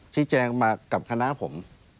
ชี้แจงมากับคณะผม